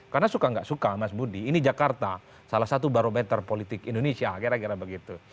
karena suka gak suka mas budi ini jakarta salah satu barometer politik indonesia kira kira begitu